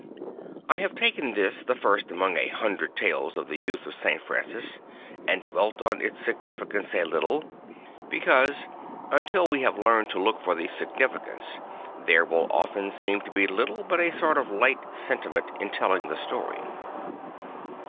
I have taken this the first among a hundred tales of the youth of St. Francis, and dwelt on its significance a little.. because until we have 4 8 St. Francis of Assisi learned to look for the significance there will often seem to be little but a sort of light sentiment in telling the story.